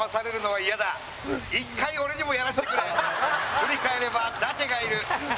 振り返ればダテがいる。